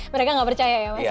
mereka gak percaya ya mas ya